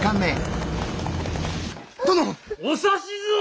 殿！お指図を！